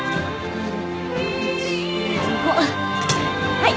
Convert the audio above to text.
はい。